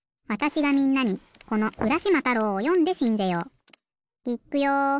わたしがみんなにこの「うらしまたろう」をよんでしんぜよう。